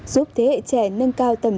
giúp thế hệ trẻ nâng cao tầm